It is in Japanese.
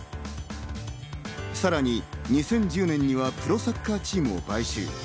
さらに２０１０年にはプロサッカーチームを買収。